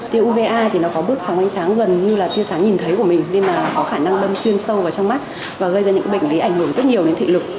tiêu uva có bước sáng ánh sáng gần như tiêu sáng nhìn thấy của mình nên có khả năng đâm xuyên sâu vào trong mắt và gây ra những bệnh lý ảnh hưởng rất nhiều đến thị lực